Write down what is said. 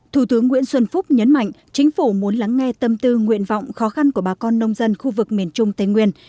thủ tướng nguyễn xuân phúc nhấn mạnh chính phủ muốn lắng nghe tâm tư nguyện vọng khó khăn của bà con nông dân khu vực miền trung tây nguyên